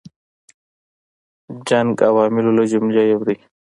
جنګ عواملو له جملې یو دی.